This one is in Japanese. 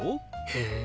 へえ！